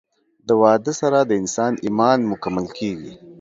د واده سره د انسان ايمان مکمل کيږي